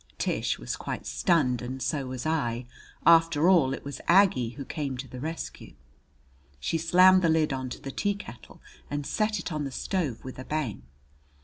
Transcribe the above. Tish was quite stunned and so was I. After all, it was Aggie who came to the rescue. She slammed the lid on to the teakettle and set it on the stove with a bang.